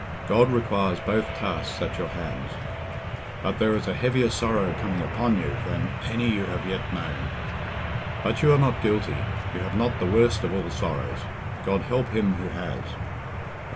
God requires both tasks at our hands. And there is a heavier sorrow coming upon you than any you have yet known. But you are not guilty—you have not the worst of all sorrows. God help him who has!"